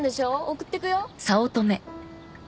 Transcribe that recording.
送ってくよ。